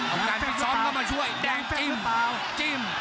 ออกยานพี่ซอฟต์เข้ามาช่วยแดงจิ้ม